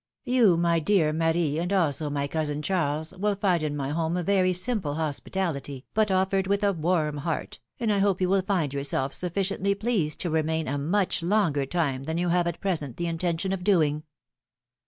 You, my dear Marie, and also my cousin Charles, will find in my home a very simple hospitality, but offered with a warm heart, and I hope you will find yourselves sufficiently pleased to remain a much longer time than you have at present the intention of doing."